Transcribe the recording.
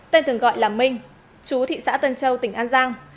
tên thường gọi là minh chú thị xã tân châu tỉnh an giang